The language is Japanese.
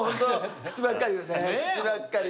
「口ばっかり」